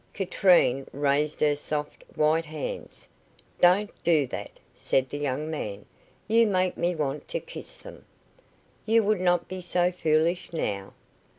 Katrine raised her soft, white hands. "Don't do that," said the young man. "You make me want to kiss them." "You would not be so foolish, now."